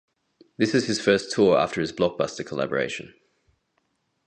This is his first tour after his blockbuster collaboration.